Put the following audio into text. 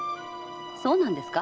そうなんですか？